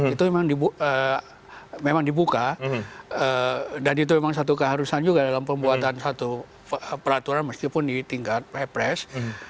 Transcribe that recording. itu memang dibuka dan itu memang satu keharusan juga dalam pembuatan satu peraturan meskipun di tingkat pepres